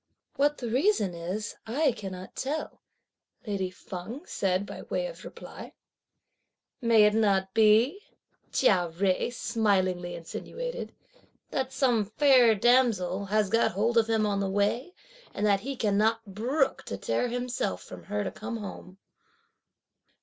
"What the reason is I cannot tell," lady Feng said by way of reply. "May it not be," Chia Jui smilingly insinuated, "that some fair damsel has got hold of him on the way, and that he cannot brook to tear himself from her to come home?"